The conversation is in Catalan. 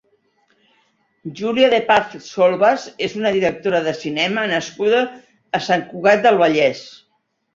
Júlia de Paz Solvas és una directora de cinema nascuda a Sant Cugat del Vallès.